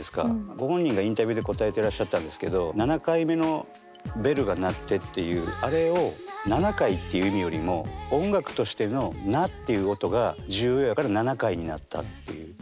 ご本人がインタビューで答えてらっしゃったんですけど「七回目のベル」が鳴ってっていうあれを７回っていう意味よりも音楽としての「な」っていう音が重要やから「七回」になったっていう。